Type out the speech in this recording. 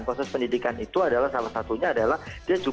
proses pendidikan itu adalah salah satunya adalah dia juga